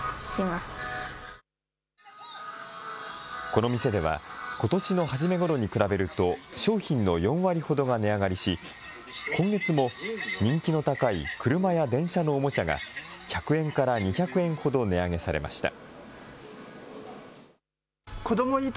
この店では、ことしの初めごろに比べると、商品の４割ほどが値上がりし、今月も人気の高い車や電車のおもちゃが１００円から２００円ほど値上げされました。